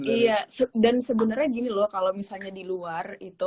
iya dan sebenarnya gini loh kalau misalnya di luar itu